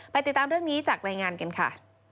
ติดตามเรื่องนี้จากรายงานกันค่ะ